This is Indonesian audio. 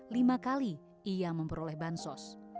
lima kali ia memperoleh bansos